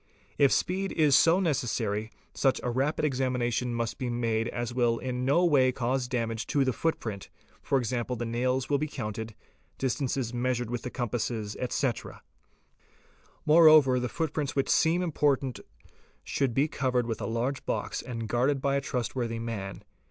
If speed is so necessary, such a rapid examination must be made as will in no way cause damage to the footprint: e.g., the nails will be counted, distances measured with the compasses, etc. ®™, Moreover the footprints which seem important should be covered with a large box and guarded by a trustworthy man.